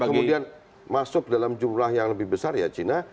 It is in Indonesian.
kalau kemudian masuk dalam jumlah yang lebih besar ya china